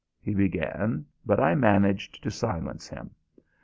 he began, but I managed to silence him.